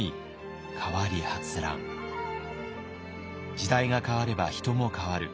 時代が変われば人も変わる。